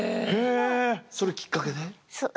それきっかけで？